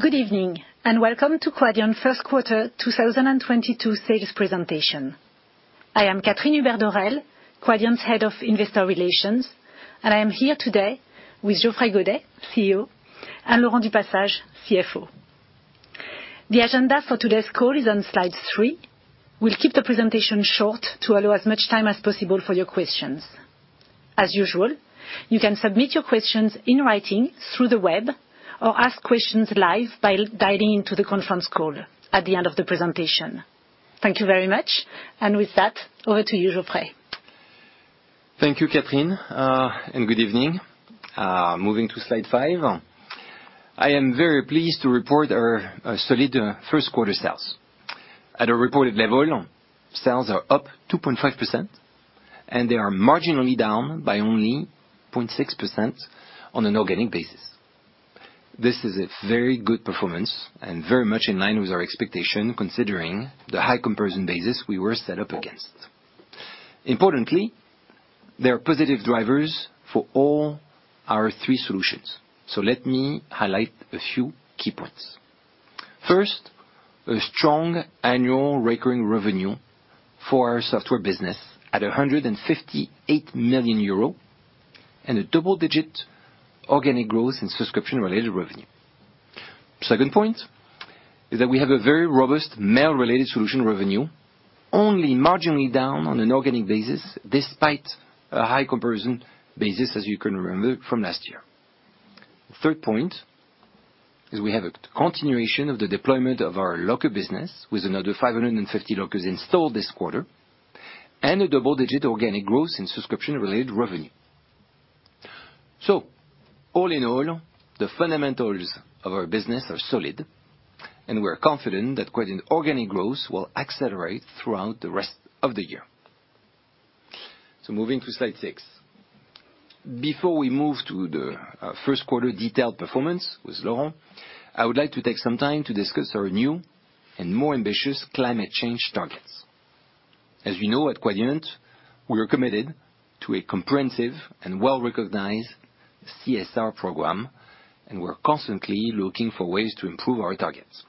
Good evening, and welcome to Quadient first quarter 2022 sales presentation. I am Catherine Hubert-Dorel, Quadient's Head of Investor Relations, and I am here today with Geoffrey Godet, CEO, and Laurent du Passage, CFO. The agenda for today's call is on slide three. We'll keep the presentation short to allow as much time as possible for your questions. As usual, you can submit your questions in writing through the web or ask questions live by dialing into the conference call at the end of the presentation. Thank you very much. With that, over to you, Geoffrey. Thank you, Catherine, and good evening. Moving to slide five. I am very pleased to report our solid first quarter sales. At a reported level, sales are up 2.5%, and they are marginally down by only 0.6% on an organic basis. This is a very good performance and very much in line with our expectation, considering the high comparison basis we were set up against. Importantly, there are positive drivers for all our three solutions. Let me highlight a few key points. First, a strong annual recurring revenue for our software business at 158 million euro and a double-digit organic growth in subscription-related revenue. Second point is that we have a very robust mail-related solution revenue, only marginally down on an organic basis, despite a high comparison basis, as you can remember from last year. Third point is we have a continuation of the deployment of our locker business with another 550 lockers installed this quarter and a double-digit organic growth in subscription-related revenue. All in all, the fundamentals of our business are solid, and we're confident that Quadient organic growth will accelerate throughout the rest of the year. Moving to slide six. Before we move to the first quarter detailed performance with Laurent, I would like to take some time to discuss our new and more ambitious climate change targets. As you know, at Quadient, we are committed to a comprehensive and well-recognized CSR program, and we're constantly looking for ways to improve our targets.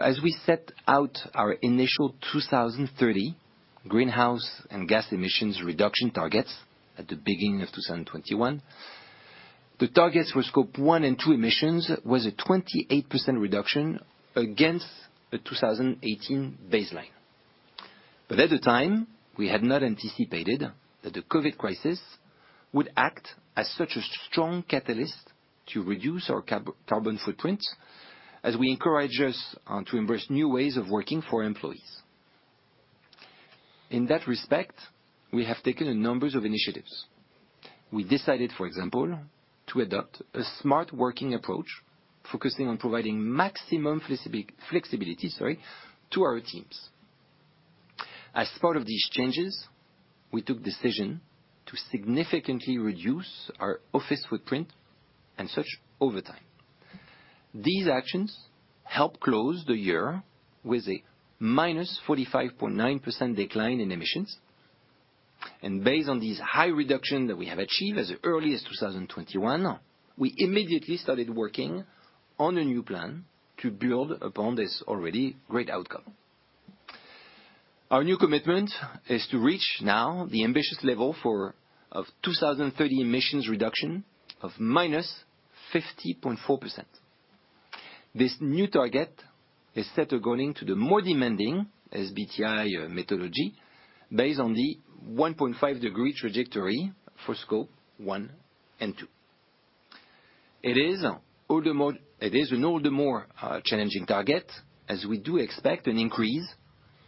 As we set out our initial 2030 greenhouse gas emissions reduction targets at the beginning of 2021, the targets for Scope one and Scope two emissions was a 28% reduction against the 2018 baseline. At the time, we had not anticipated that the COVID crisis would act as such a strong catalyst to reduce our carbon footprint as it encouraged us to embrace new ways of working for our employees. In that respect, we have taken a number of initiatives. We decided, for example, to adopt a smart working approach, focusing on providing maximum flexibility to our teams. As part of these changes, we took decision to significantly reduce our office footprint and so over time. These actions help close the year with a -45.9% decline in emissions. Based on this high reduction that we have achieved as early as 2021, we immediately started working on a new plan to build upon this already great outcome. Our new commitment is to reach now the ambitious level for 2030 emissions reduction of -50.4%. This new target is set according to the more demanding SBTi methodology based on the 1.5-degree trajectory for Scope one and two. It is an all the more challenging target as we do expect an increase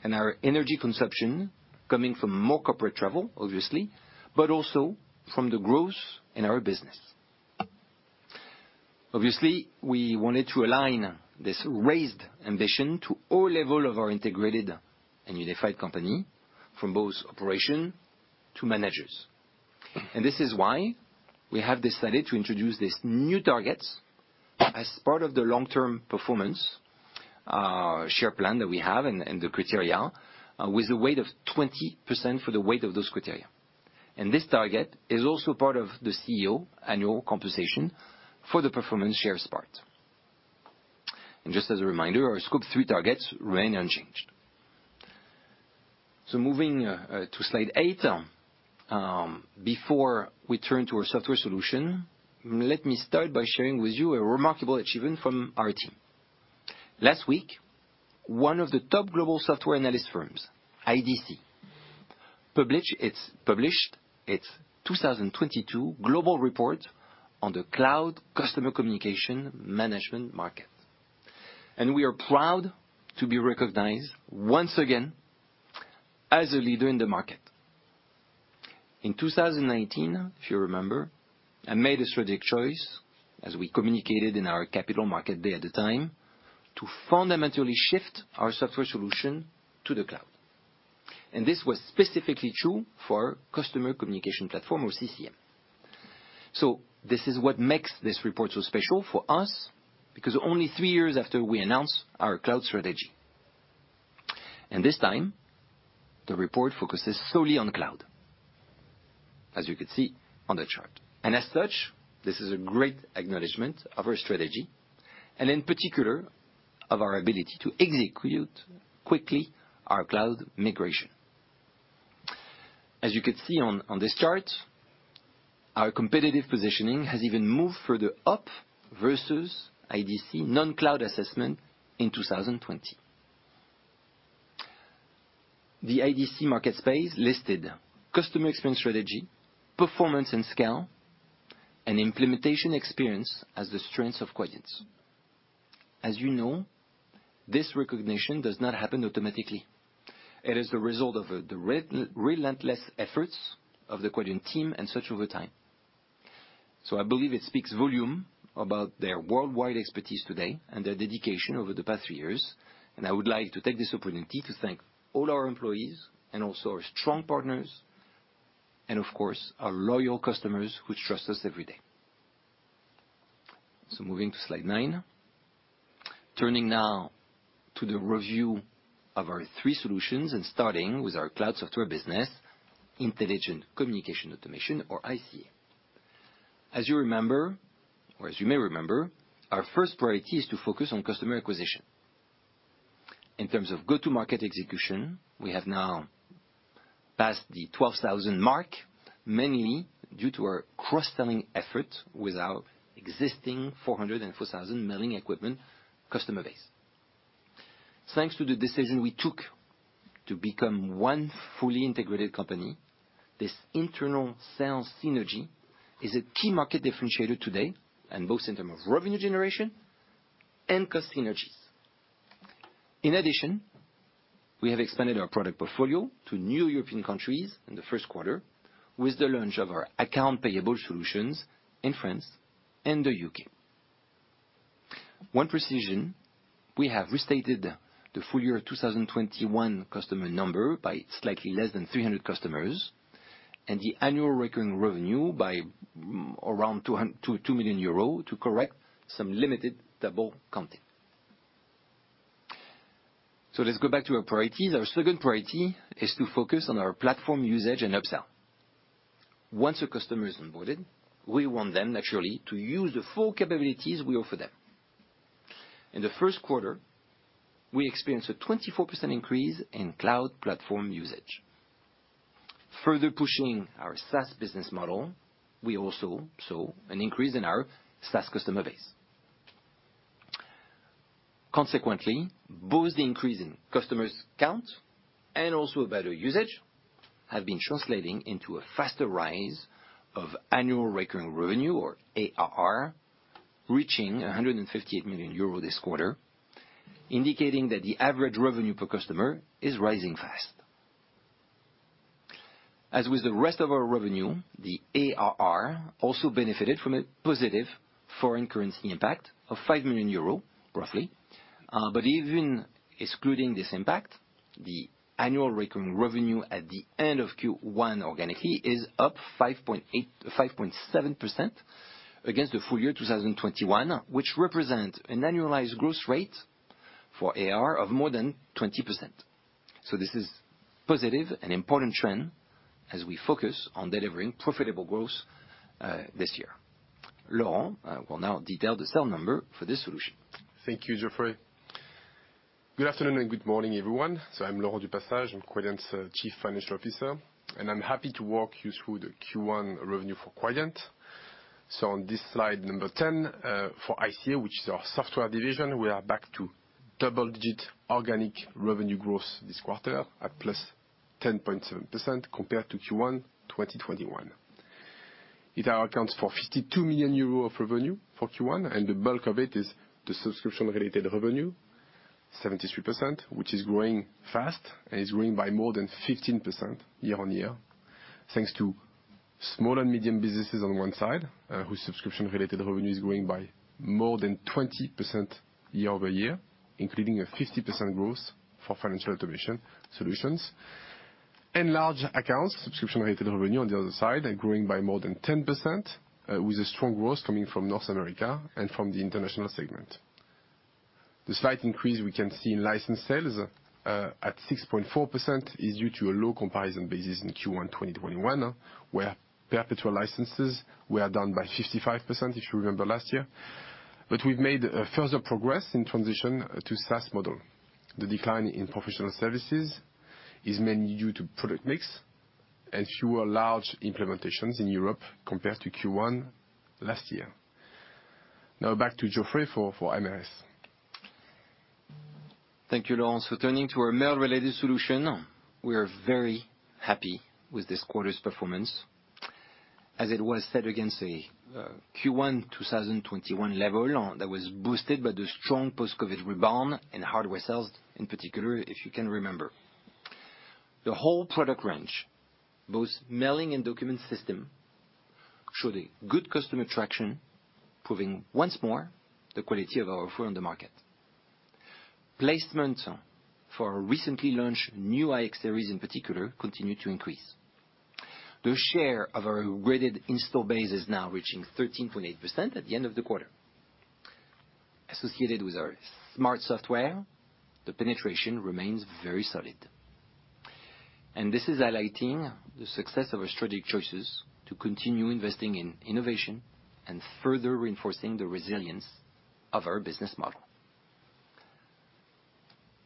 in our energy consumption coming from more corporate travel, obviously, but also from the growth in our business. Obviously, we wanted to align this raised ambition to all level of our integrated and unified company from both operation to managers. This is why we have decided to introduce these new targets as part of the long-term performance share plan that we have and the criteria with a weight of 20% for the weight of those criteria. This target is also part of the CEO annual compensation for the performance shares part. Just as a reminder, our Scope three targets remain unchanged. Moving to slide eight, before we turn to our software solution, let me start by sharing with you a remarkable achievement from our team. Last week, one of the top global software analyst firms, IDC, published its 2022 global report on the cloud customer communication management market. We are proud to be recognized once again as a leader in the market. In 2019, if you remember, I made a strategic choice, as we communicated in our capital market day at the time, to fundamentally shift our software solution to the cloud. This was specifically true for customer communication platform or CCM. This is what makes this report so special for us, because only three years after we announced our cloud strategy. This time, the report focuses solely on cloud. As you can see on the chart. As such, this is a great acknowledgement of our strategy, and in particular of our ability to execute quickly our cloud migration. As you can see on this chart, our competitive positioning has even moved further up versus IDC non-cloud assessment in 2020. The IDC MarketScape listed customer experience strategy, performance, and scale, and implementation experience as the strengths of Quadient. As you know, this recognition does not happen automatically. It is the result of the relentless efforts of the Quadient team and such over time. I believe it speaks volumes about their worldwide expertise today and their dedication over the past years. I would like to take this opportunity to thank all our employees and also our strong partners, and of course, our loyal customers who trust us every day. Moving to slide nine. Turning now to the review of our three solutions and starting with our cloud software business, Intelligent Communication Automation, or ICA. As you remember, or as you may remember, our first priority is to focus on customer acquisition. In terms of go-to-market execution, we have now passed the 12,000 mark, mainly due to our cross-selling efforts with our existing 404,000 mailing equipment customer base. Thanks to the decision we took to become one fully integrated company, this internal sales synergy is a key market differentiator today, and both in term of revenue generation and cost synergies. In addition, we have expanded our product portfolio to new European countries in the first quarter with the launch of our accounts payable solutions in France and the U.K.. One precision, we have restated the full year 2021 customer number by slightly less than 300 customers, and the annual recurring revenue by around 202 million euros to correct some limited double counting. Let's go back to our priorities. Our second priority is to focus on our platform usage and upsell. Once a customer is onboarded, we want them naturally to use the full capabilities we offer them. In the first quarter, we experienced a 24% increase in cloud platform usage. Further pushing our SaaS business model, we also saw an increase in our SaaS customer base. Consequently, both the increase in customers count and also a better usage have been translating into a faster rise of annual recurring revenue, or ARR, reaching 158 million euro this quarter, indicating that the average revenue per customer is rising fast. As with the rest of our revenue, the ARR also benefited from a positive foreign currency impact of 5 million euro roughly. But even excluding this impact, the annual recurring revenue at the end of Q1 organically is up 5.7% against the full year 2021, which represent an annualized growth rate for ARR of more than 20%. This is positive and important trend as we focus on delivering profitable growth, this year. Laurent will now detail the sales number for this solution. Thank you, Geoffrey. Good afternoon and good morning, everyone. I'm Laurent du Passage. I'm Quadient's Chief Financial Officer, and I'm happy to walk you through the Q1 revenue for Quadient. On this slide number 10, for ICA, which is our software division, we are back to double-digit organic revenue growth this quarter at +10.7% compared to Q1 2021. It now accounts for 52 million euros of revenue for Q1, and the bulk of it is the subscription-related revenue, 73%, which is growing fast and is growing by more than 15% year-over-year, thanks to small and medium businesses on one side, whose subscription-related revenue is growing by more than 20% year-over-year, including a 50% growth for financial automation solutions. Large accounts, subscription-related revenue on the other side are growing by more than 10%, with a strong growth coming from North America and from the international segment. The slight increase we can see in license sales at 6.4% is due to a low comparison basis in Q1 2021, where perpetual licenses were down by 55%, if you remember last year. We've made a further progress in transition to SaaS model. The decline in professional services is mainly due to product mix and fewer large implementations in Europe compared to Q1 last year. Now back to Geoffrey for MRS. Thank you, Laurent. Turning to our mail-related solution, we are very happy with this quarter's performance as it was set against a Q1 2021 level that was boosted by the strong post-COVID rebound in hardware sales in particular, if you can remember. The whole product range, both mailing and document system, showed a good customer traction, proving once more the quality of our offer on the market. Placement for our recently launched new iX-Series in particular continued to increase. The share of our upgraded installed base is now reaching 13.8% at the end of the quarter. Associated with our smart software, the penetration remains very solid. This is highlighting the success of our strategic choices to continue investing in innovation and further reinforcing the resilience of our business model.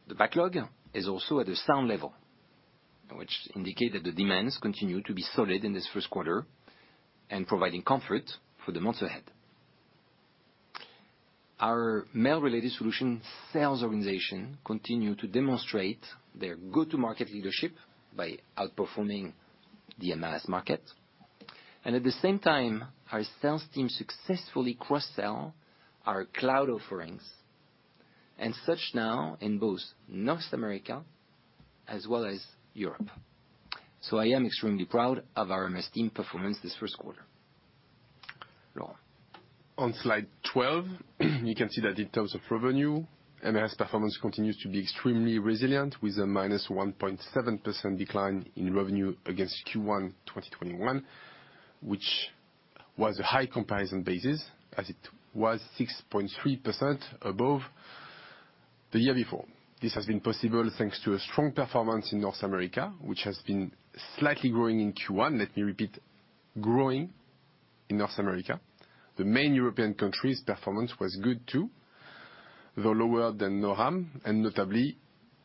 The backlog is also at a sound level, which indicate that the demands continue to be solid in this first quarter and providing comfort for the months ahead. Our mail-related solution sales organization continue to demonstrate their go-to-market leadership by outperforming the MRS market. At the same time, our sales team successfully cross-sell our cloud offerings, and are now in both North America as well as Europe. I am extremely proud of our MRS team performance this first quarter. Laurent? On slide 12, you can see that in terms of revenue, MRS performance continues to be extremely resilient with a -1.7% decline in revenue against Q1 2021, which was a high comparison basis as it was 6.3% above the year before. This has been possible thanks to a strong performance in North America, which has been slightly growing in Q1. Let me repeat, growing in North America. The main European countries performance was good, too, though lower than NORAM, and notably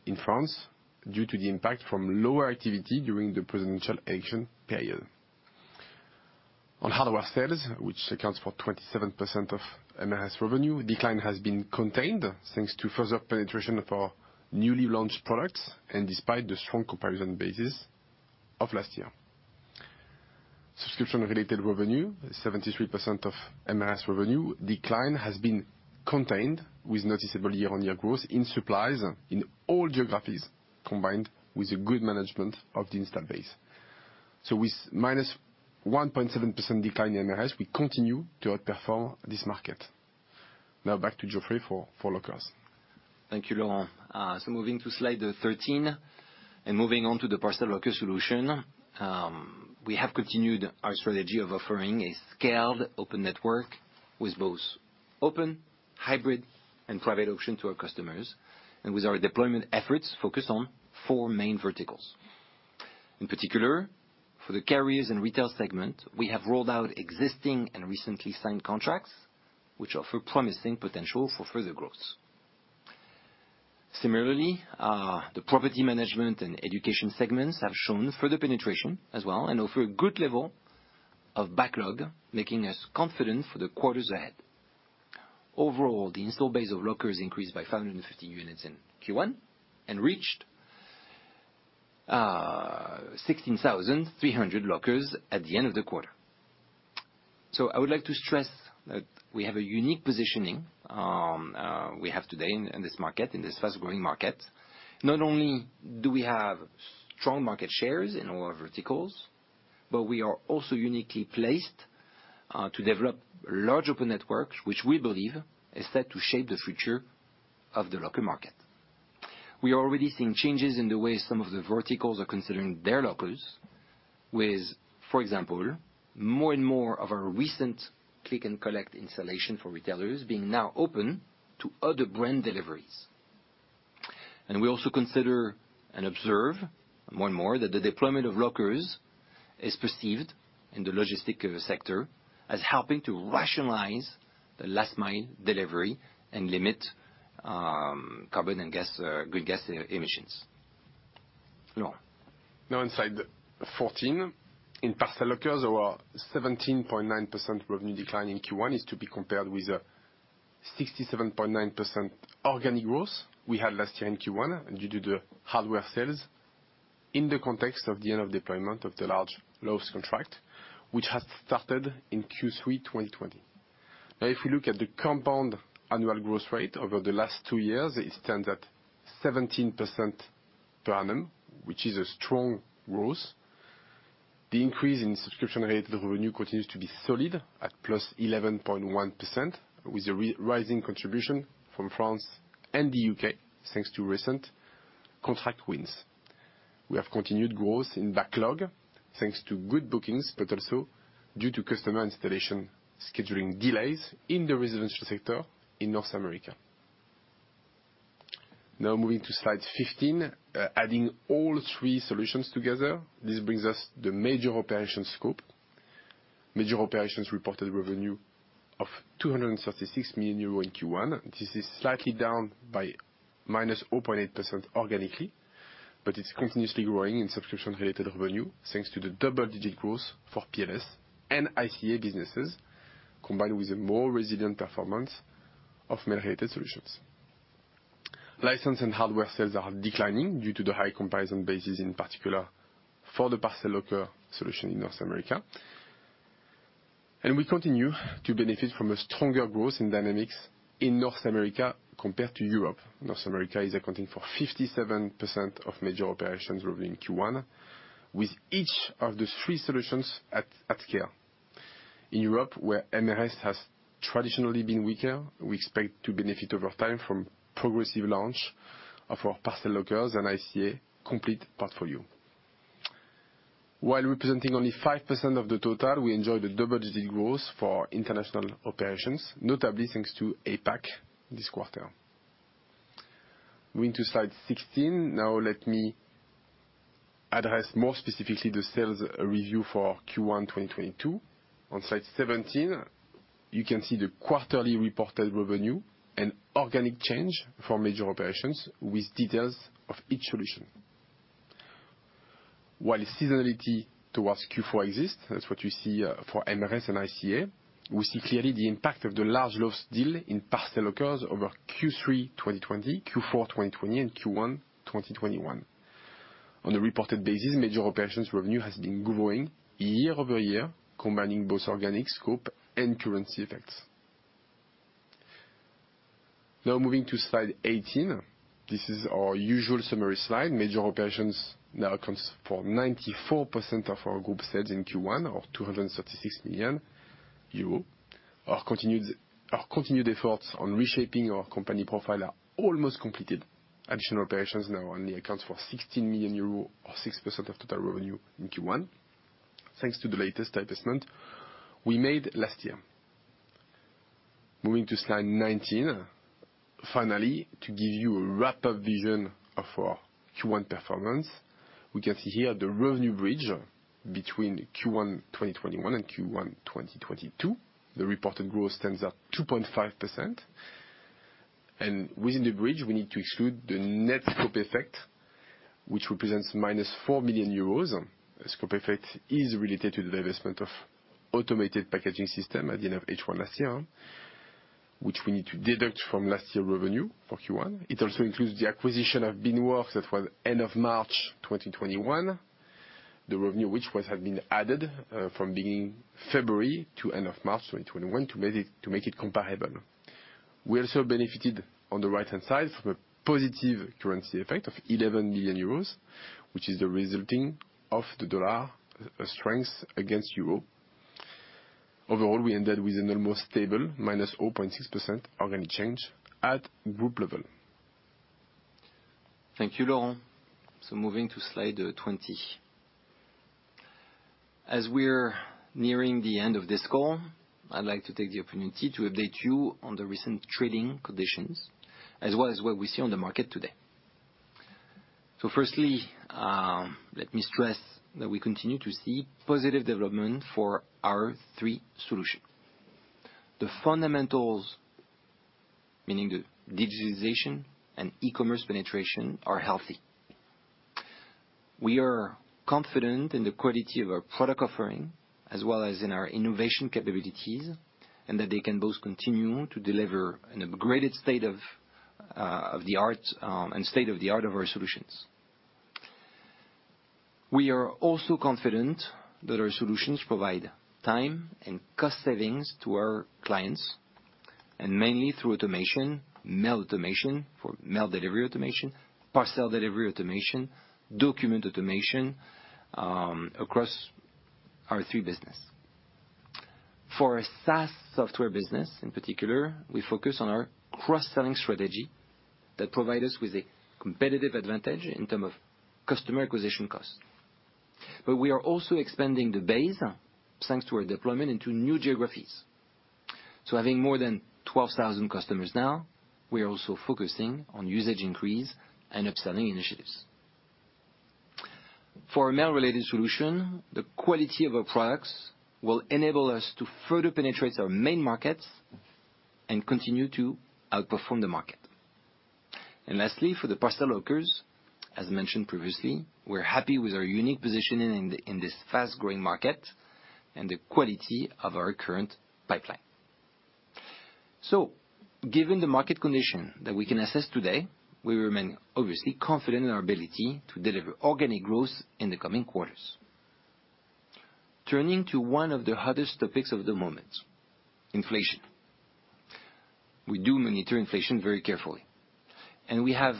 in France, due to the impact from lower activity during the presidential election period. On hardware sales, which accounts for 27% of MRS revenue, decline has been contained thanks to further penetration of our newly launched products and despite the strong comparison basis of last year. Subscription-related revenue, 73% of MRS revenue, decline has been contained with noticeable year-on-year growth in supplies in all geographies, combined with the good management of the installed base. With minus 1.7% decline in MRS, we continue to outperform this market. Now back to Geoffrey for lockers. Thank you, Laurent. Moving to slide 13 and moving on to the parcel locker solution. We have continued our strategy of offering a scaled open network with both open, hybrid, and private option to our customers, and with our deployment efforts focused on four main verticals. In particular, for the carriers and retail segment, we have rolled out existing and recently signed contracts, which offer promising potential for further growth. Similarly, the property management and education segments have shown further penetration as well and offer a good level of backlog, making us confident for the quarters ahead. Overall, the installed base of lockers increased by 550 units in Q1 and reached 16,300 lockers at the end of the quarter. I would like to stress that we have a unique positioning, we have today in this market, in this fast-growing market. Not only do we have strong market shares in all our verticals, but we are also uniquely placed to develop large open networks, which we believe is set to shape the future of the locker market. We are already seeing changes in the way some of the verticals are considering their lockers with, for example, more and more of our recent click and collect installation for retailers being now open to other brand deliveries. We also consider and observe more and more that the deployment of lockers is perceived in the logistics sector as helping to rationalize the last mile delivery and limit carbon and greenhouse gas emissions. Laurent. Now on slide 14. In parcel lockers, our 17.9% revenue decline in Q1 is to be compared with a 67.9% organic growth we had last year in Q1, and due to the hardware sales in the context of the end of deployment of the large Lowe's contract, which had started in Q3 2020. Now, if we look at the compound annual growth rate over the last two years, it stands at 17% per annum, which is a strong growth. The increase in subscription-related revenue continues to be solid at +11.1%, with a rising contribution from France and the U.K., thanks to recent contract wins. We have continued growth in backlog thanks to good bookings, but also due to customer installation scheduling delays in the residential sector in North America. Now moving to slide 15. Adding all three solutions together, this brings us the major operation scope. Major operations reported revenue of 236 million euro in Q1. This is slightly down by -0.8% organically, but it's continuously growing in subscription-related revenue, thanks to the double-digit growth for PLS and ICA businesses, combined with a more resilient performance of mail-related solutions. License and hardware sales are declining due to the high comparison basis, in particular for the parcel locker solution in North America. We continue to benefit from a stronger growth in dynamics in North America compared to Europe. North America is accounting for 57% of major operations revenue in Q1, with each of the three solutions at scale. In Europe, where MRS has traditionally been weaker, we expect to benefit over time from progressive launch of our parcel lockers and ICA complete portfolio. While representing only 5% of the total, we enjoy the double-digit growth for international operations, notably thanks to APAC this quarter. Moving to slide 16, now let me address more specifically the sales review for Q1 2022. On slide 17, you can see the quarterly reported revenue and organic change for major operations with details of each solution. While seasonality towards Q4 exists, that's what you see for MRS and ICA, we see clearly the impact of the large Lowe's deal in parcel lockers over Q3 2020, Q4 2020, and Q1 2021. On a reported basis, major operations revenue has been growing year-over-year, combining both organic scope and currency effects. Now moving to slide 18, this is our usual summary slide. Major operations now accounts for 94% of our group sales in Q1 or 236 million euro. Our continued efforts on reshaping our company profile are almost completed. Additional operations now only accounts for 16 million euro or 6% of total revenue in Q1 thanks to the latest divestment we made last year. Moving to slide 19, finally, to give you a wrap-up vision of our Q1 performance. We can see here the revenue bridge between Q1 2021 and Q1 2022. The reported growth stands at 2.5%, and within the bridge, we need to exclude the net scope effect, which represents -4 million euros. Scope effect is related to the divestment of Automated Packaging Solutions at the end of H1 last year, which we need to deduct from last year revenue for Q1. It also includes the acquisition of Beanworks that was at the end of March 2021, the revenue which had been added from beginning of February to end of March 2021 to make it comparable. We also benefited on the right-hand side from a positive currency effect of 11 million euros, which is the result of the dollar strength against the euro. Overall, we ended with an almost stable -0.6% organic change at group level. Thank you, Laurent. Moving to slide 20. As we're nearing the end of this call, I'd like to take the opportunity to update you on the recent trading conditions as well as what we see on the market today. Firstly, let me stress that we continue to see positive development for our three solutions. The fundamentals, meaning the digitalization and e-commerce penetration, are healthy. We are confident in the quality of our product offering as well as in our innovation capabilities, and that they can both continue to deliver an upgraded state of the art of our solutions. We are also confident that our solutions provide time and cost savings to our clients, and mainly through automation, mail automation for mail delivery automation, parcel delivery automation, document automation, across our three businesses. For our SaaS software business in particular, we focus on our cross-selling strategy that provide us with a competitive advantage in term of customer acquisition costs. We are also expanding the base thanks to our deployment into new geographies. Having more than 12,000 customers now, we are also focusing on usage increase and upselling initiatives. For our mail-related solution, the quality of our products will enable us to further penetrate our main markets and continue to outperform the market. Lastly, for the parcel lockers, as mentioned previously, we're happy with our unique positioning in this fast-growing market and the quality of our current pipeline. Given the market condition that we can assess today, we remain obviously confident in our ability to deliver organic growth in the coming quarters. Turning to one of the hottest topics of the moment, inflation. We do monitor inflation very carefully, and we have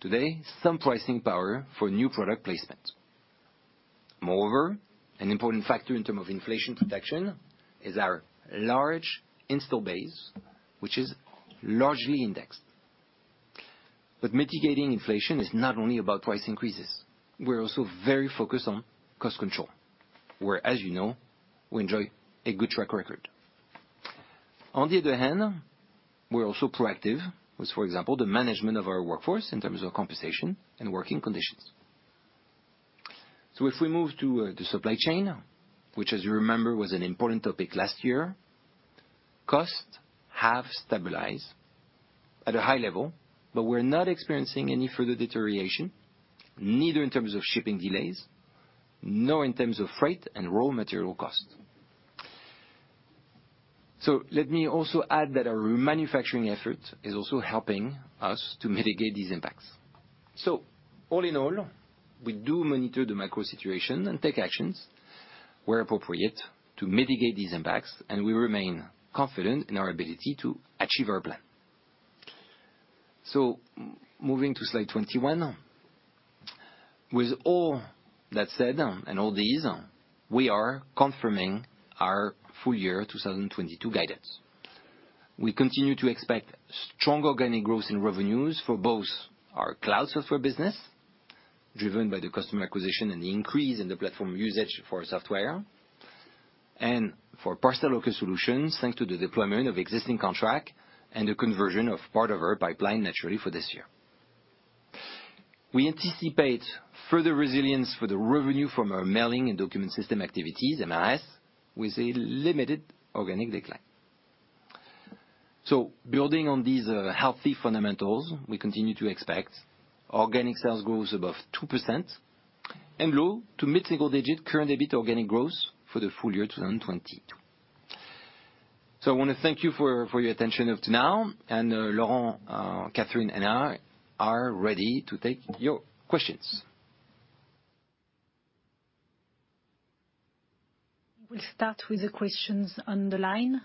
today some pricing power for new product placement. Moreover, an important factor in terms of inflation protection is our large installed base, which is largely indexed. Mitigating inflation is not only about price increases. We're also very focused on cost control, where, as you know, we enjoy a good track record. On the other hand, we're also proactive with, for example, the management of our workforce in terms of compensation and working conditions. If we move to the supply chain, which as you remember, was an important topic last year, costs have stabilized at a high level, but we're not experiencing any further deterioration, neither in terms of shipping delays nor in terms of freight and raw material cost. Let me also add that our manufacturing effort is also helping us to mitigate these impacts. All in all, we do monitor the macro situation and take actions where appropriate to mitigate these impacts, and we remain confident in our ability to achieve our plan. Moving to slide 21. With all that said and all these, we are confirming our full year 2022 guidance. We continue to expect strong organic growth in revenues for both our cloud software business, driven by the customer acquisition and the increase in the platform usage for software and for parcel locker solutions, thanks to the deployment of existing contract and the conversion of part of our pipeline naturally for this year. We anticipate further resilience for the revenue from our mailing and document system activities, MDS, with a limited organic decline. Building on these healthy fundamentals, we continue to expect organic sales growth above 2% and low- to mid-single-digit current EBIT organic growth for the full year 2022. I wanna thank you for your attention up to now, and Laurent, Catherine, and I are ready to take your questions. We'll start with the questions on the line.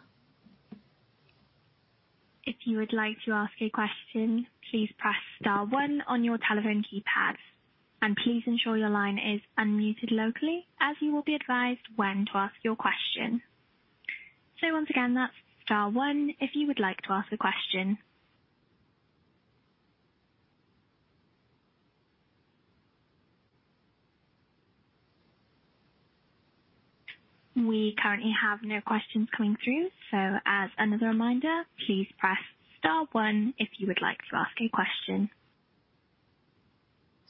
If you would like to ask a question, please press star one on your telephone keypad. Please ensure your line is unmuted locally as you will be advised when to ask your question. Once again, that's star one if you would like to ask a question. We currently have no questions coming through, so as another reminder, please press star one if you would like to ask a question.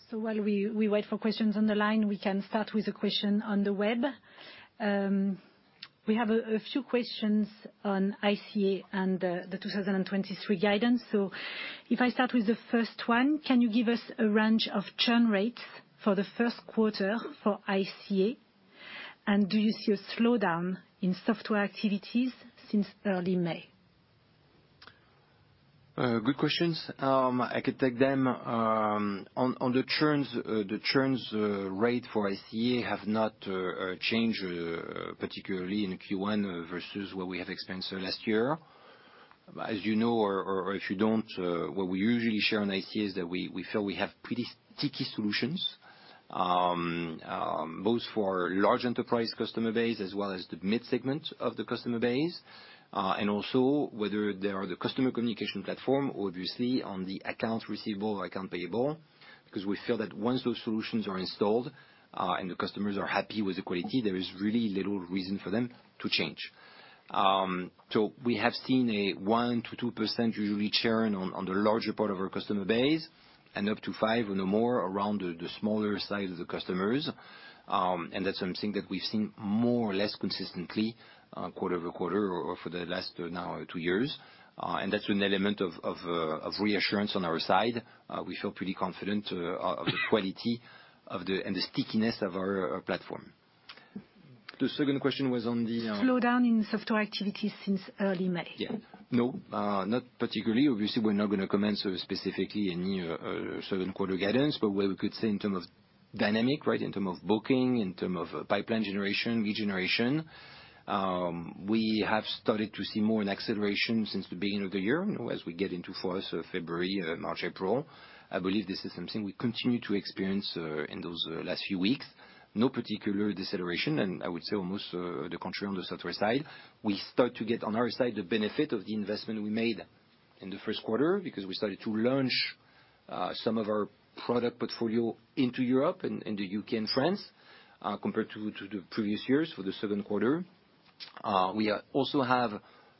While we wait for questions on the line, we can start with a question on the web. We have a few questions on ICA and the 2023 guidance. If I start with the first one, can you give us a range of churn rates for the first quarter for ICA? Do you see a slowdown in software activities since early May? Good questions. I could take them. On the churn rate for ICA have not changed particularly in Q1 versus what we have experienced last year. As you know, if you don't, what we usually share on ICA is that we feel we have pretty sticky solutions, both for large enterprise customer base as well as the mid segment of the customer base, and also whether they are the customer communication platform, obviously on the accounts receivable, accounts payable, because we feel that once those solutions are installed, and the customers are happy with the quality, there is really little reason for them to change. We have seen a 1%-2% usually churn on the larger part of our customer base and up to 5% or more around the smaller size of the customers. That's something that we've seen more or less consistently quarter-over-quarter or for the last two years. That's an element of reassurance on our side. We feel pretty confident of the quality and the stickiness of our platform. The second question was on the Slowdown in software activities since early May. Yeah. No, not particularly. Obviously, we're not gonna comment so specifically any certain quarter guidance, but what we could say in terms of dynamics, right? In terms of booking, in terms of pipeline generation, lead generation, we have started to see more of an acceleration since the beginning of the year. You know, as we get into, for us, February, March, April, I believe this is something we continue to experience in those last few weeks. No particular deceleration, and I would say almost the contrary on the software side. We start to get on our side the benefit of the investment we made in the first quarter because we started to launch some of our product portfolio into Europe and in the UK and France compared to the previous years for the second quarter. We also have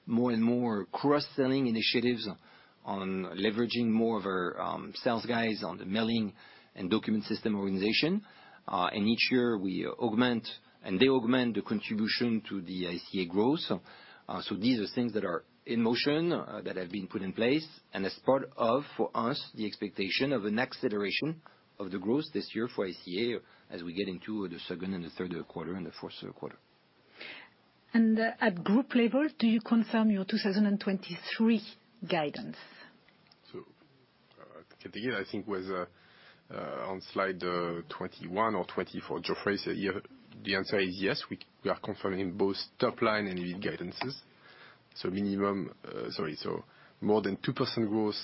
more and more cross-selling initiatives on leveraging more of our sales guys on the mailing and document system organization. Each year we augment and they augment the contribution to the ICA growth. These are things that are in motion that have been put in place and as part of, for us, the expectation of an acceleration of the growth this year for ICA as we get into the second and the third quarter and the fourth quarter. At group level, do you confirm your 2023 guidance? I think it was on slide 21 or 20 for Geoffrey. The answer is yes. We are confirming both top-line and lead guidances. Minimum more than 2% growth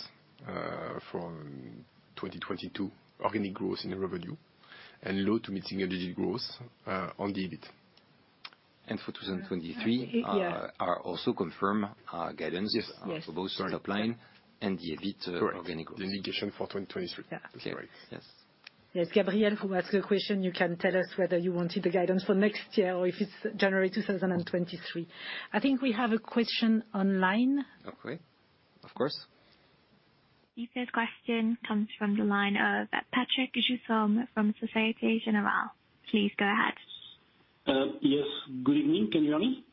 from 2022 organic growth in revenue and low- to mid-single-digit growth on the EBIT. For 2023, we are also confirming our guidance. Yes. Yes. For both top line and the EBITDA organic growth. The indication for 2023. Yeah. That's right. Yes. Yes, Gabrielle, who asked the question, you can tell us whether you wanted the guidance for next year or if it's January 2023. I think we have a question online. Okay. Of course. This question comes from the line of Patrick Duquesne from Société Générale. Please go ahead. Yes. Good evening. Can you hear me?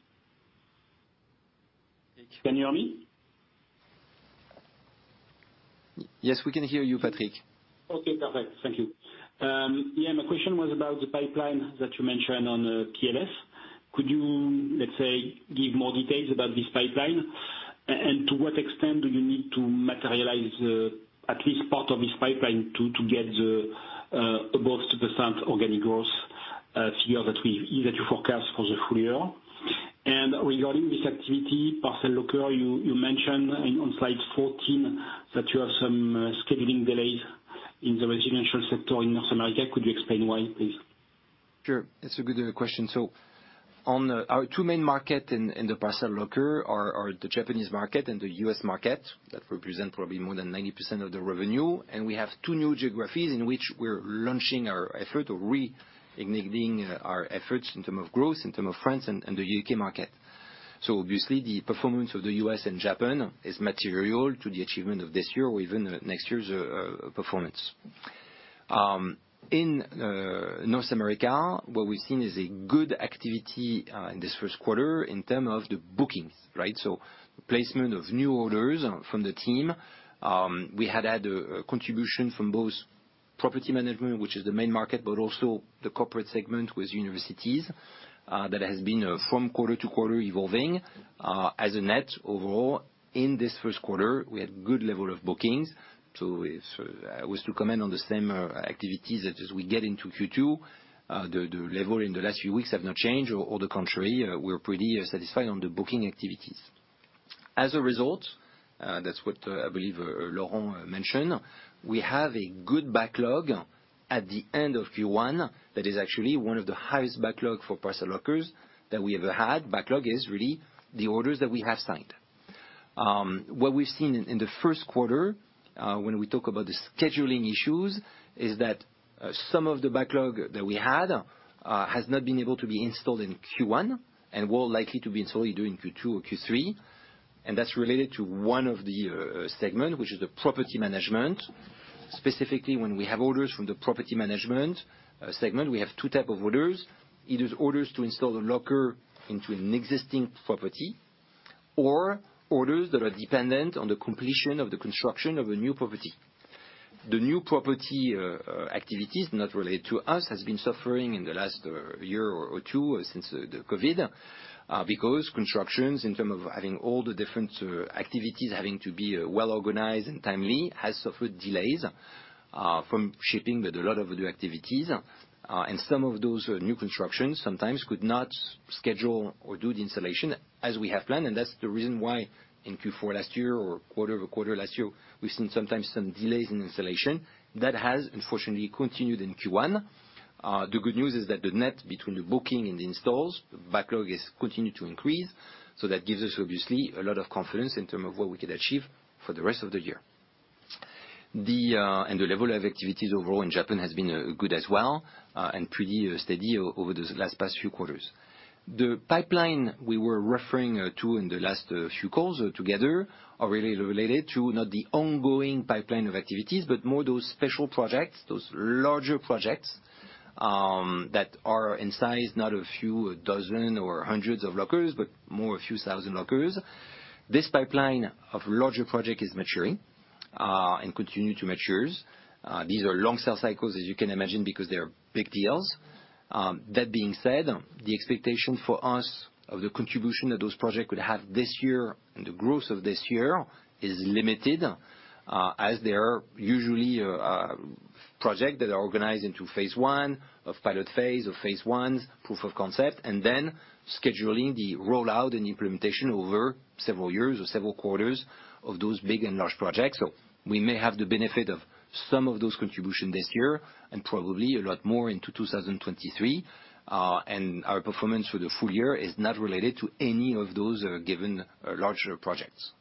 Can you hear me? Yes, we can hear you, Patrick. Okay, perfect. Thank you. Yeah, my question was about the pipeline that you mentioned on the PLS. Could you, let's say, give more details about this pipeline? And to what extent do you need to materialize at least part of this pipeline to get the above 2% organic growth figure that we either to forecast for the full year? Regarding this activity, parcel locker, you mentioned on slide 14 that you have some scheduling delays in the residential sector in North America. Could you explain why, please? Sure. It's a good question. Our two main markets in the parcel locker are the Japanese market and the US market that represent probably more than 90% of the revenue. We have two new geographies in which we're launching our effort or reigniting our efforts in terms of growth, in terms of France and the UK market. Obviously, the performance of the US and Japan is material to the achievement of this year or even next year's performance. In North America, what we've seen is a good activity in this first quarter in terms of the bookings, right? Placement of new orders from the team. We had a contribution from both property management, which is the main market, but also the corporate segment with universities that has been from quarter to quarter evolving. As a net overall, in this first quarter, we had good level of bookings. If I was to comment on the same activities as we get into Q2, the level in the last few weeks have not changed or the contrary, we're pretty satisfied on the booking activities. As a result, that's what I believe, Laurent mentioned, we have a good backlog at the end of Q1 that is actually one of the highest backlog for parcel lockers that we ever had. Backlog is really the orders that we have signed. What we've seen in the first quarter, when we talk about the scheduling issues, is that some of the backlog that we had, has not been able to be installed in Q1, and will likely to be installed during Q2 or Q3. That's related to one of the segment, which is the property management. Specifically, when we have orders from the property management segment, we have two type of orders. It is orders to install the locker into an existing property, or orders that are dependent on the completion of the construction of a new property. The new property activities not related to us has been suffering in the last year or two since the COVID because constructions in terms of having all the different activities having to be well-organized and timely has suffered delays from shipping, but a lot of other activities. Some of those new constructions sometimes could not schedule or do the installation as we have planned. That's the reason why in Q4 last year or quarter-over-quarter last year, we've seen sometimes some delays in installation. That has unfortunately continued in Q1. The good news is that the net between the booking and the installs backlog is continued to increase. That gives us obviously a lot of confidence in terms of what we could achieve for the rest of the year. The level of activities overall in Japan has been good as well, and pretty steady over this last few quarters. The pipeline we were referring to in the last few calls together are really related to not the ongoing pipeline of activities, but more those special projects, those larger projects, that are in size, not a few dozen or hundreds of lockers, but more a few thousand lockers. This pipeline of larger project is maturing, and continue to matures. These are long sale cycles, as you can imagine, because they're big deals. That being said, the expectation for us of the contribution that those projects could have this year and the growth of this year is limited, as they are usually projects that are organized into phase one of pilot phase or phase one, proof of concept, and then scheduling the rollout and implementation over several years or several quarters of those big and large projects. We may have the benefit of some of those contributions this year and probably a lot more into 2023. Our performance for the full year is not related to any of those given larger projects.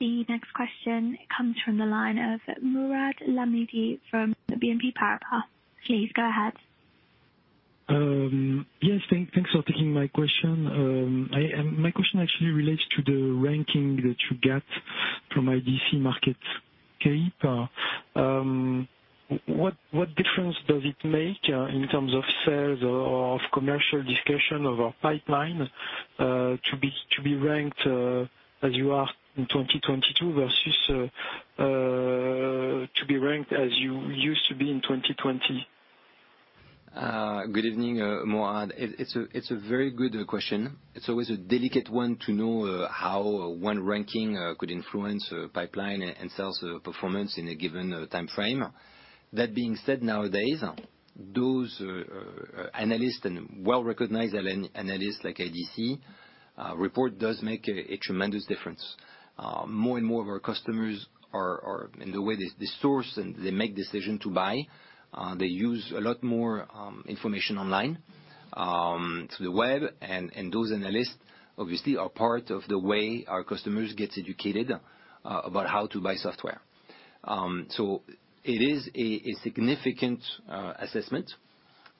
The next question comes from the line of Mourad Lahmidi from BNP Paribas. Please go ahead. Thanks for taking my question. My question actually relates to the ranking that you get from IDC MarketScape. What difference does it make in terms of sales or of commercial discussion of a pipeline to be ranked as you are in 2022 versus to be ranked as you used to be in 2020? Good evening, Mourad. It's a very good question. It's always a delicate one to know how one ranking could influence pipeline and sales performance in a given timeframe. That being said, nowadays, those analysts and well-recognized analysts like IDC report does make a tremendous difference. More and more of our customers are in the way they source and they make decision to buy, they use a lot more information online through the web, and those analysts obviously are part of the way our customers gets educated about how to buy software. It is a significant assessment.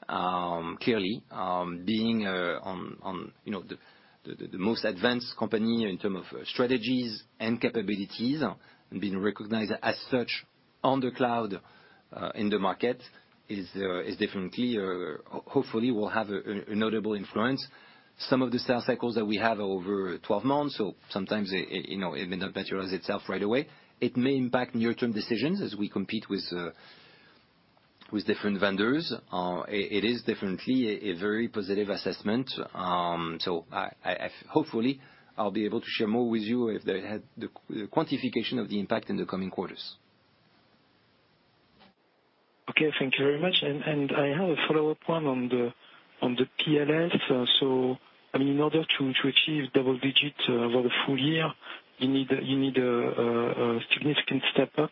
Clearly, being, you know, the most advanced company in terms of strategies and capabilities and being recognized as such on the cloud in the market is definitely or hopefully will have a notable influence. Some of the sales cycles that we have are over 12 months, so sometimes it, you know, it may not materialize itself right away. It may impact near-term decisions as we compete with different vendors. It is definitely a very positive assessment. I hopefully, I'll be able to share more with you if they have the quantification of the impact in the coming quarters. Okay, thank you very much. I have a follow-up one on the PLS. I mean, in order to achieve double digit over the full year, you need a significant step up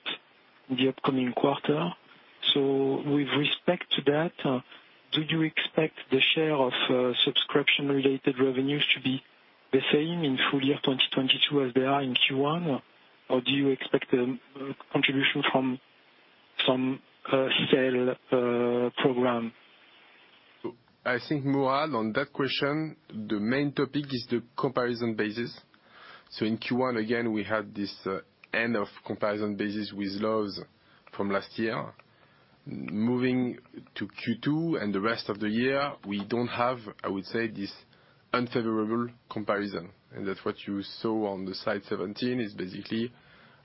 in the upcoming quarter. With respect to that, do you expect the share of subscription-related revenues to be the same in full year 2022 as they are in Q1? Or do you expect a contribution from sale program? I think, Mourad, on that question, the main topic is the comparison basis. In Q1, again, we had this end of comparison basis with Lowe's from last year. Moving to Q2 and the rest of the year, we don't have, I would say, this unfavorable comparison. That's what you saw on the slide 17, is basically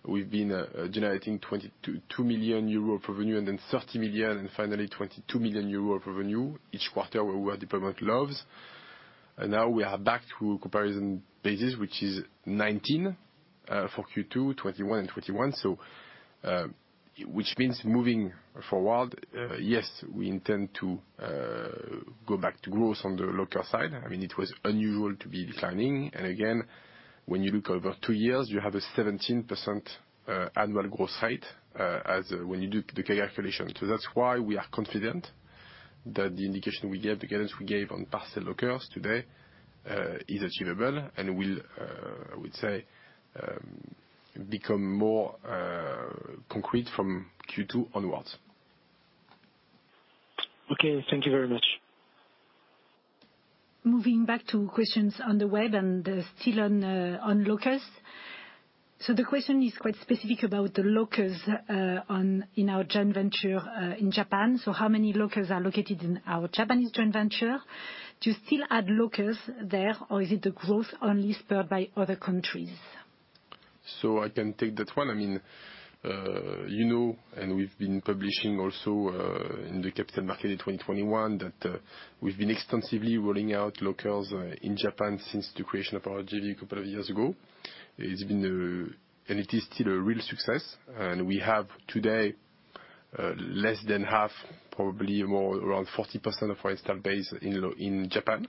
we've been generating 22 million euro of revenue and then 30 million, and finally 22 million euro of revenue each quarter where we had deployment Lowe's. Now we are back to comparison basis, which is 19 million for Q2 2021 and 2021. Which means moving forward, yes, we intend to go back to growth on the parcel side. I mean, it was unusual to be declining. Again, when you look over two years, you have a 17% annual growth rate, as when you do the calculation. That's why we are confident that the indication we gave, the guidance we gave on parcel lockers today, is achievable and will, I would say, become more concrete from Q2 onwards. Okay, thank you very much. Moving back to questions on the web and still on lockers. The question is quite specific about the lockers in our joint venture in Japan. How many lockers are located in our Japanese joint venture? Do you still add lockers there, or is it the growth only spurred by other countries? I can take that one. I mean, you know, we've been publishing also in the capital market in 2021, that we've been extensively rolling out lockers in Japan since the creation of our JV a couple of years ago. It's been. It is still a real success. We have today less than half, probably more, around 40% of our install base in Japan.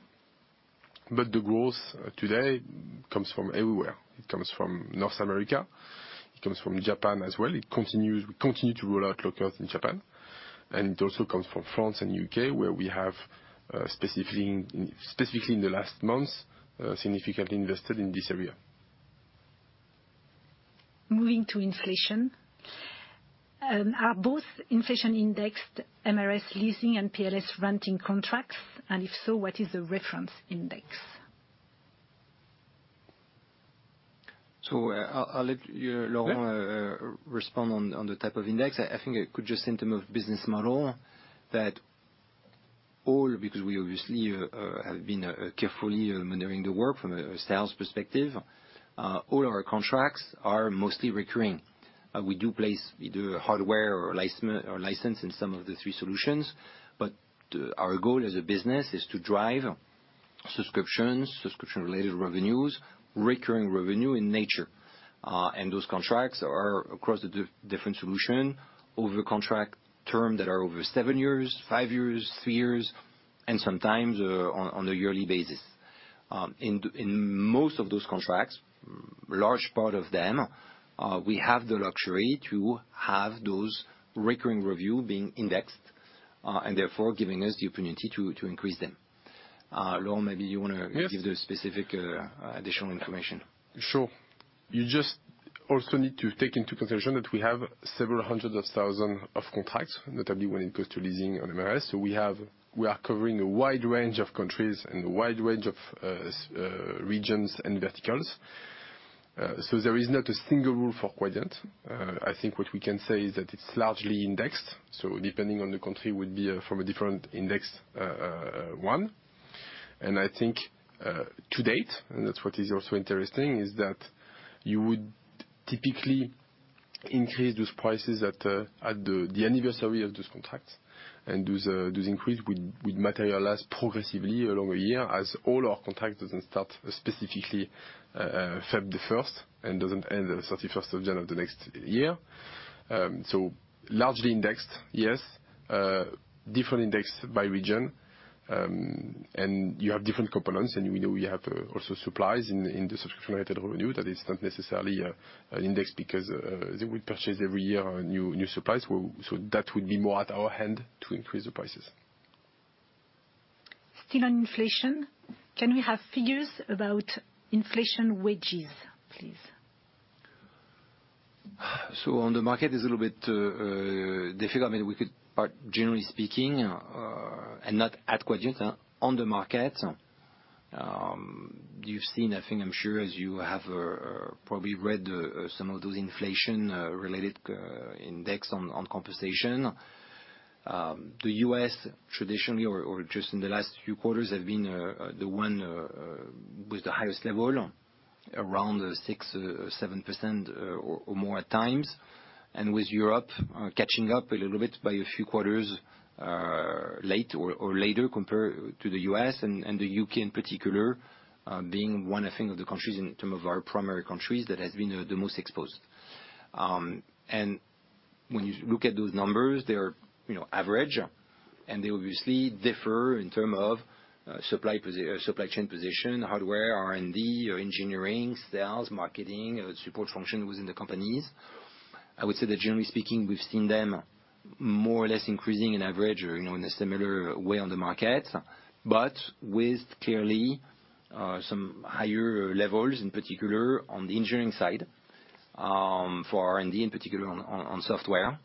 The growth today comes from everywhere. It comes from North America. It comes from Japan as well. We continue to roll out lockers in Japan. It also comes from France and U.K., where we have specifically in the last months significantly invested in this area. Moving to inflation. Are both inflation indexed MRS leasing and PLS renting contracts? If so, what is the reference index? I'll let Laurent respond on the type of index. I think that's all in terms of business model, because we obviously have been carefully monitoring the market from a sales perspective. All our contracts are mostly recurring. We do place either hardware or license in some of the three solutions, but our goal as a business is to drive subscriptions, subscription-related revenues, recurring revenue in nature. Those contracts are across the different solutions over contract terms that are over seven years, five years, three years, and sometimes on a yearly basis. In most of those contracts, large part of them, we have the luxury to have those recurring revenues being indexed, and therefore giving us the opportunity to increase them. Laurent, maybe you want to Yes. Give the specific, additional information. Sure. You just also need to take into consideration that we have several hundred thousand contracts, notably when it comes to leasing on MRS. We are covering a wide range of countries and a wide range of regions and verticals. There is not a single rule for Quadient. I think what we can say is that it's largely indexed, so depending on the country would be from a different indexation. I think to date, and that's what is also interesting, is that you would typically increase those prices at the anniversary of those contracts. Those increases would materialize progressively along the year as all our contracts don't start specifically February the first and don't end thirty-first of January of the next year. Largely indexed, yes, different index by region, and you have different components, and we know we have also supplies in the subscription-related revenue that is not necessarily an index because we purchase every year new supplies. That would be more at our hand to increase the prices. Still on inflation, can we have figures about wage inflation, please? On the market, it's a little bit difficult. I mean, generally speaking, and not at Quadient, on the market, you've seen, I think, I'm sure as you have probably read some of those inflation related index on compensation. The U.S. traditionally or just in the last few quarters have been the one with the highest level around 6%-7% or more at times. With Europe catching up a little bit by a few quarters late or later compared to the U.S. and the U.K. in particular being one, I think, of the countries in terms of our primary countries that has been the most exposed. When you look at those numbers, they are, you know, average, and they obviously differ in terms of supply chain position, hardware, R&D or engineering, sales, marketing, support function within the companies. I would say that generally speaking, we've seen them more or less increasing on average or, you know, in a similar way on the market. With clearly some higher levels, in particular on the engineering side, for R&D, in particular on software.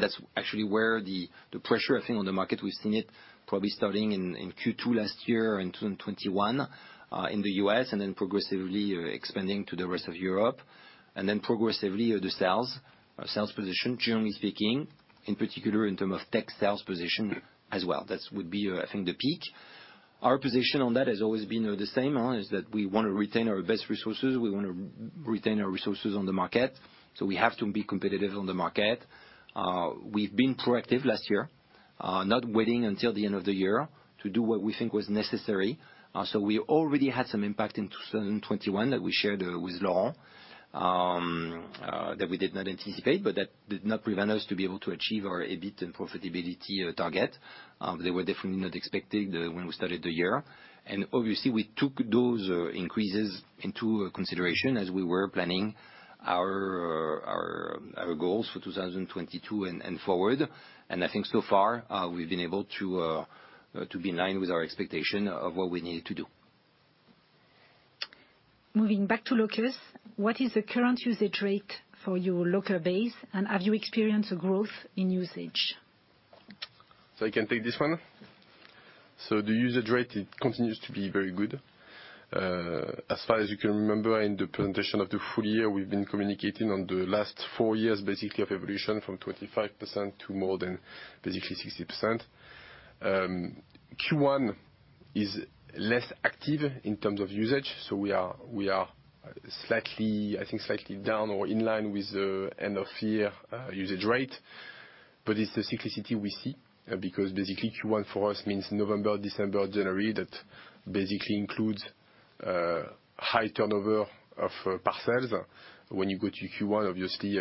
That's actually where the pressure I think on the market, we've seen it probably starting in Q2 last year in 2021, in the U.S. and then progressively expanding to the rest of Europe. Progressively the sales position, generally speaking, in particular in terms of tech sales position as well. That would be, I think, the peak. Our position on that has always been the same. We wanna retain our best resources, we wanna retain our resources on the market, so we have to be competitive on the market. We've been proactive last year, not waiting until the end of the year to do what we think was necessary. We already had some impact in 2021 that we shared with Laurent, that we did not anticipate, but that did not prevent us to be able to achieve our EBITDA and profitability target. They were definitely not expected when we started the year. Obviously we took those increases into consideration as we were planning our goals for 2022 and forward. I think so far, we've been able to be in line with our expectation of what we needed to do. Moving back to lockers, what is the current usage rate for your locker base, and have you experienced a growth in usage? I can take this one. The usage rate, it continues to be very good. As far as you can remember in the presentation of the full year, we've been communicating on the last four years, basically, of evolution from 25% to more than basically 60%. Q1 is less active in terms of usage, so we are slightly, I think, down or in line with the end of year usage rate. It's the cyclicality we see, because basically Q1 for us means November, December, January. That basically includes high turnover of parcels. When you go to Q1, obviously,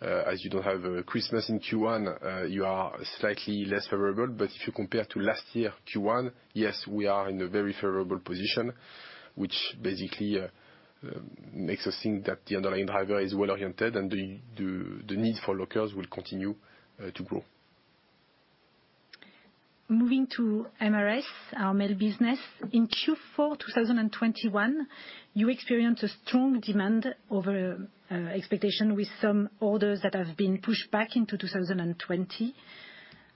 as you don't have Christmas in Q1, you are slightly less favorable. If you compare to last year, Q1, yes, we are in a very favorable position, which basically makes us think that the underlying driver is well-oriented and the need for lockers will continue to grow. Moving to MRS, our mail business. In Q4 2021, you experienced a strong demand over expectation with some orders that have been pushed back into 2020.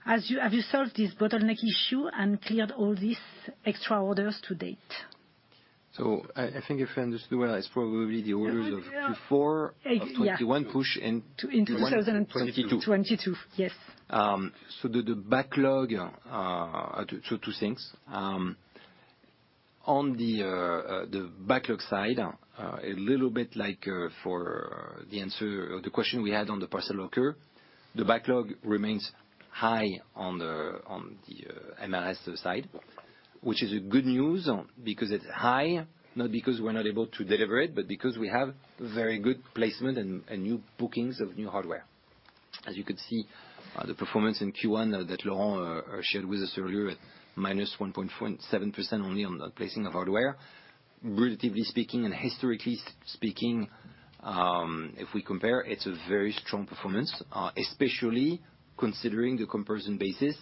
Have you solved this bottleneck issue and cleared all these extra orders to date? I think if I understood well, it's probably the orders of Q4 of 2021 pushed into 2022. Into 2022, yes. Two things. On the backlog side, a little bit like for the answer or the question we had on the parcel locker, the backlog remains high on the MRS side, which is a good news, because it's high, not because we're not able to deliver it, but because we have very good placement and new bookings of new hardware. As you could see, the performance in Q1 that Laurent shared with us earlier at -1.47% only on the placing of hardware. Relatively speaking and historically speaking, if we compare, it's a very strong performance, especially considering the comparison basis,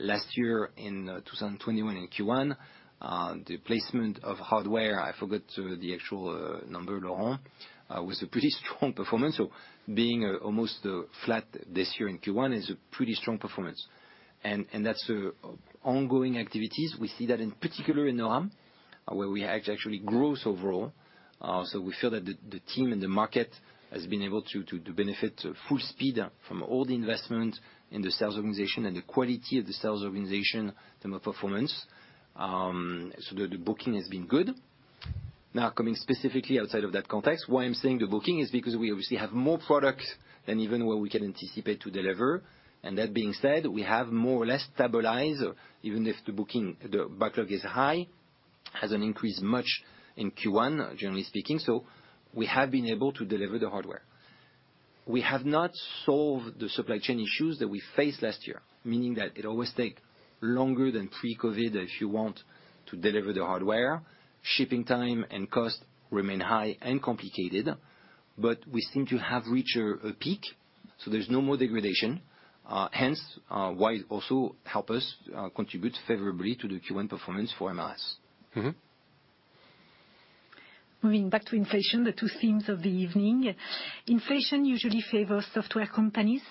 last year in 2021, in Q1, the placement of hardware, I forgot, the actual number, Laurent, was a pretty strong performance. Being almost flat this year in Q1 is a pretty strong performance. That's ongoing activities. We see that in particular in Europe, where we had actual growth overall. We feel that the team and the market has been able to benefit full speed from all the investment in the sales organization and the quality of the sales organization in terms of performance. The booking has been good. Now, coming specifically outside of that context, why I'm saying the booking is because we obviously have more products than even what we can anticipate to deliver. That being said, we have more or less stabilized, even if the booking, the backlog is high. It hasn't increased much in Q1, generally speaking, we have been able to deliver the hardware. We have not solved the supply chain issues that we faced last year, meaning that it always take longer than pre-COVID if you want to deliver the hardware. Shipping time and cost remain high and complicated, but we seem to have reached a peak, so there's no more degradation, hence why it also help us contribute favorably to the Q1 performance for MRS. Mm-hmm. Moving back to inflation, the two themes of the evening. Inflation usually favors software companies,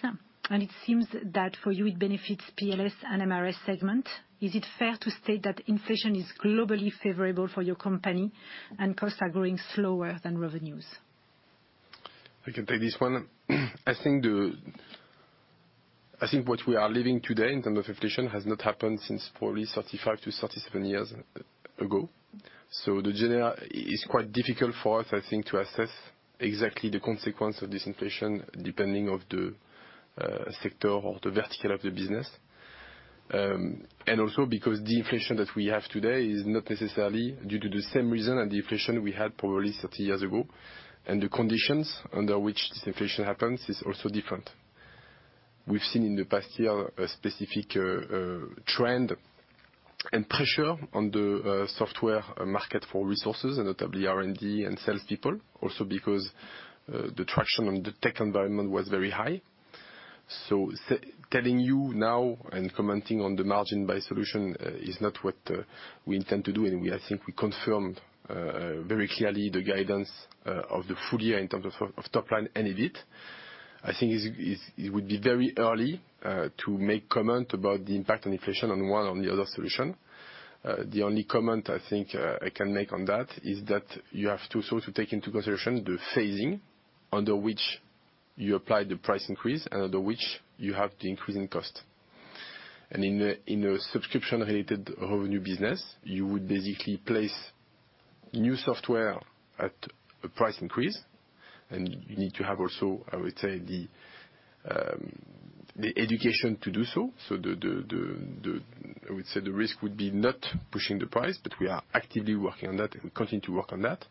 and it seems that for you it benefits PLS and MRS segment. Is it fair to state that inflation is globally favorable for your company and costs are growing slower than revenues? I can take this one. I think what we are living today in terms of inflation has not happened since probably 35-37 years ago. It's quite difficult for us, I think, to assess exactly the consequence of this inflation depending on the sector or the vertical of the business. The inflation that we have today is not necessarily due to the same reason and the inflation we had probably 30 years ago, and the conditions under which this inflation happens is also different. We've seen in the past year a specific trend and pressure on the software market for resources, and notably R&D and salespeople, also because the traction on the tech environment was very high. As I'm telling you now and commenting on the margin by solution is not what we intend to do. I think we confirmed very clearly the guidance of the full year in terms of top line and EBIT. I think it would be very early to make comment about the impact on inflation on one or the other solution. The only comment I think I can make on that is that you have to also take into consideration the phasing under which you apply the price increase and under which you have the increase in cost. In a subscription-related revenue business, you would basically place new software at a price increase. You need to have also, I would say, the education to do so. I would say the risk would be not pushing the price, but we are actively working on that, and we continue to work on that.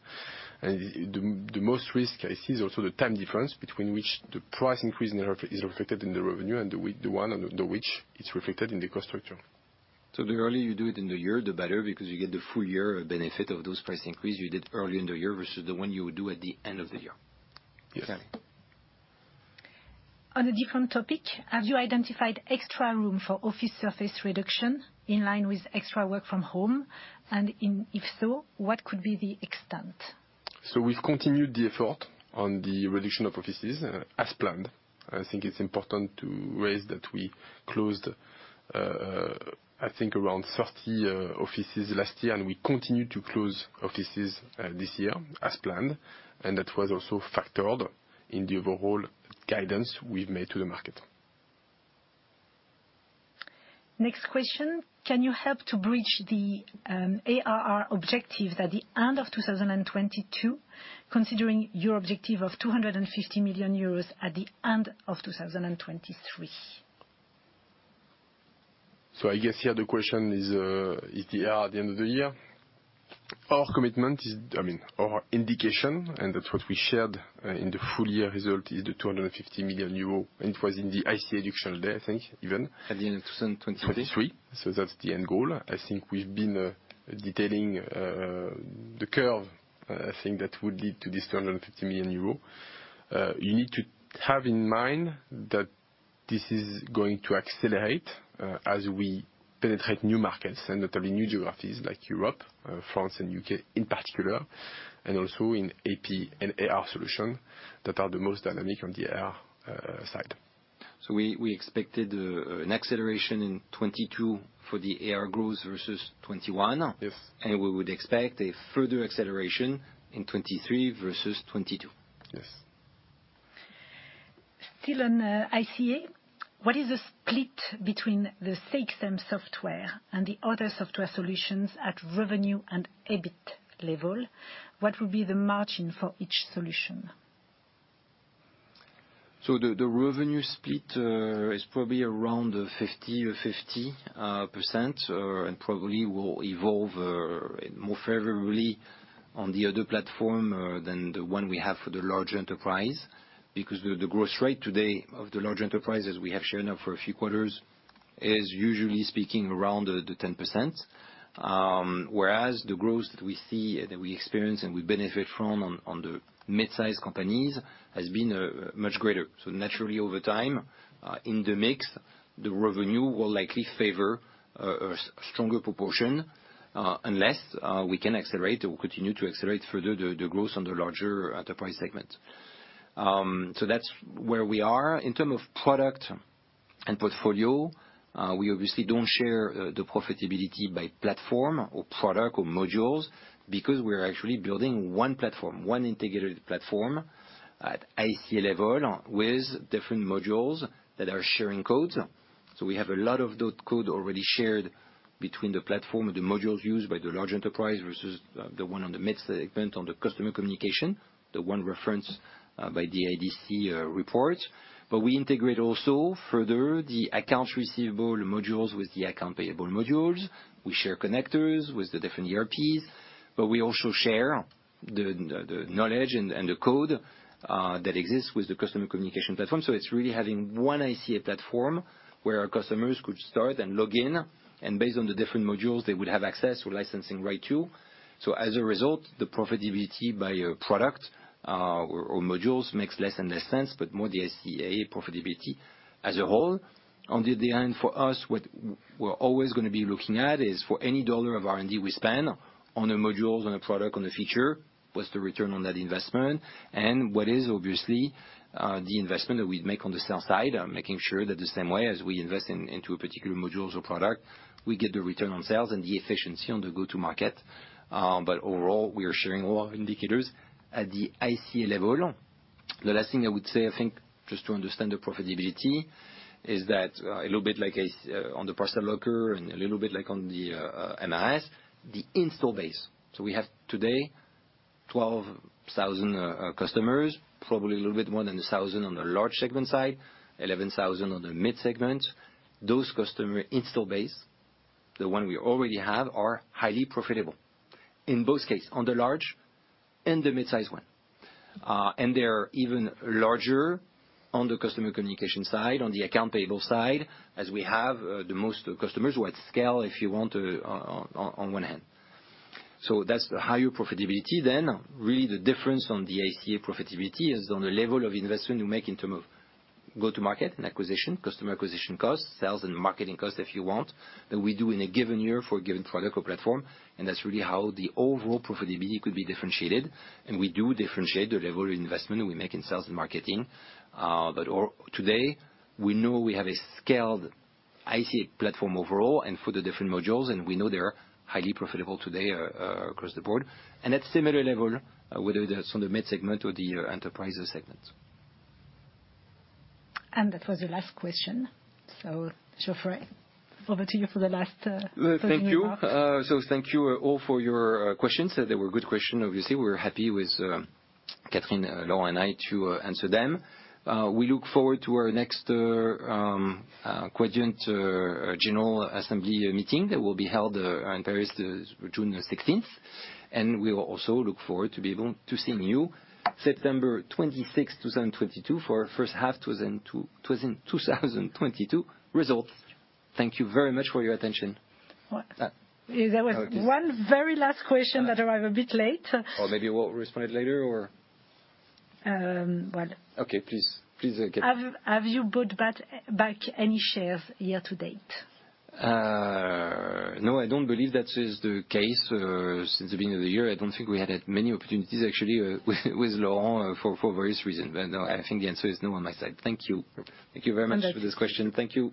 The most risk I see is also the time difference between which the price increase is reflected in the revenue and the one under which it's reflected in the cost structure. The earlier you do it in the year, the better, because you get the full year benefit of those price increase you did early in the year versus the one you would do at the end of the year. Yes. Okay. On a different topic, have you identified extra room for office surface reduction in line with extra work from home? If so, what could be the extent? We've continued the effort on the reduction of offices, as planned. I think it's important to raise that we closed, I think around 30 offices last year, and we continue to close offices, this year as planned, and that was also factored in the overall guidance we've made to the market. Next question. Can you help to bridge the ARR objective at the end of 2022, considering your objective of 250 million euros at the end of 2023? I guess here the question is the ARR at the end of the year. Our commitment is, I mean, our indication, and that's what we shared in the full year result, is the 250 million euro, and it was in the ICA Education Day, I think, even. At the end of 2023. 23. That's the end goal. I think we've been detailing the curve. I think that would lead to this 250 million euro. You need to have in mind that this is going to accelerate as we penetrate new markets and notably new geographies like Europe, France and U.K. in particular, and also in AP and AR solution that are the most dynamic on the AR side. We expected an acceleration in 2022 for the AR growth versus 2021. Yes. We would expect a further acceleration in 2023 versus 2022. Yes. Still on ICA. What is the split between the Inspire software and the other software solutions at revenue and EBIT level? What would be the margin for each solution? The revenue split is probably around 50%-50%, and probably will evolve more favorably on the other platform than the one we have for the large enterprise. Because the growth rate today of the large enterprise, as we have shown now for a few quarters, is usually speaking around the 10%. Whereas the growth that we see, that we experience and we benefit from on the mid-size companies has been much greater. Naturally over time, in the mix, the revenue will likely favor a stronger proportion, unless we can accelerate or continue to accelerate further the growth on the larger enterprise segment. That's where we are. In terms of product and portfolio, we obviously don't share the profitability by platform or product or modules because we're actually building one platform, one integrated platform at ICA level with different modules that are sharing codes. We have a lot of those codes already shared between the platform and the modules used by the large enterprise versus the one on the mid segment on the customer communication, the one referenced by the IDC report. We integrate also further the accounts receivable modules with the accounts payable modules. We share connectors with the different ERPs, but we also share the knowledge and the code that exists with the customer communication platform. It's really having one ICA platform where our customers could start and log in, and based on the different modules, they would have access or licensing rights to. As a result, the profitability by a product or modules makes less and less sense, but more the ICA profitability as a whole. In the end for us, what we're always gonna be looking at is for any dollar of R&D we spend on a module, on a product, on a feature, what's the return on that investment? What is obviously the investment that we'd make on the sales side, making sure that the same way as we invest into a particular modules or product, we get the return on sales and the efficiency on the go-to-market. Overall, we are sharing all indicators at the ICA level. The last thing I would say, I think, just to understand the profitability is that, a little bit like on the Parcel Locker and a little bit like on the MRS, the install base. We have today 12,000 customers, probably a little bit more than 1,000 on the large segment side, 11,000 on the mid segment. Those customer install base, the one we already have, are highly profitable in both case, on the large and the mid-size one. They're even larger on the customer communication side, on the accounts payable side, as we have the most customers who at scale, if you want to on one hand. That's the higher profitability. Really the difference on the ICA profitability is on the level of investment you make in terms of go-to-market and acquisition, customer acquisition costs, sales and marketing costs, if you want, that we do in a given year for a given product or platform, and that's really how the overall profitability could be differentiated. We do differentiate the level of investment we make in sales and marketing. But today we know we have a scaled ICA platform overall and for the different modules, and we know they're highly profitable today, across the board. At similar level, whether that's on the mid segment or the enterprise segment. That was the last question. Geoffrey, over to you for the last, closing remarks. Thank you. So thank you all for your questions. They were good questions. Obviously, we're happy, Catherine, Laurent and I, to answer them. We look forward to our next annual general assembly meeting that will be held in Paris June 16th. We will also look forward to be able to seeing you September 26th, 2022 for first half 2022 results. Thank you very much for your attention. There was one very last question that arrived a bit late. Maybe we'll respond it later, or? Well. Okay. Please, Catherine. Have you bought back any shares year to date? No, I don't believe that is the case. Since the beginning of the year, I don't think we had many opportunities actually with Laurent for various reasons. No, I think the answer is no on my side. Thank you. Thank you very much for this question. Thank you.